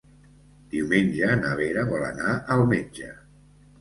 Diumenge na Vera vol anar al metge.